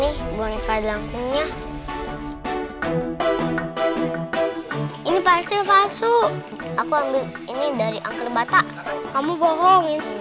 nih boneka jalan kongnya ini fasil fasil aku ambil ini dari angker batak kamu bohongin